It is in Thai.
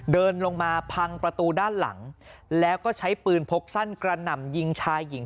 เดินลงมาพังประตูด้านหลังแล้วก็ใช้ปืนพกสั้นกระหน่ำยิงชายหญิง